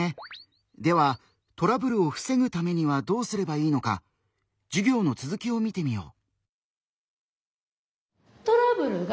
ではトラブルをふせぐためにはどうすればいいのか授業の続きを見てみよう。